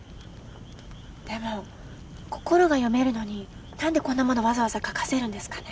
でも心が読めるのになんでこんなものわざわざ書かせるんですかね？